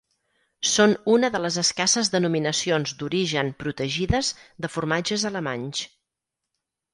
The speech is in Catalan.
Són una de les escasses denominacions d'origen protegides de formatges alemanys.